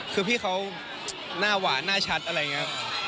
คือพี่เขาหน้าหวานหน้าชัดอะไรอย่างนี้